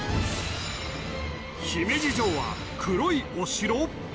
姫路城は黒いお城！？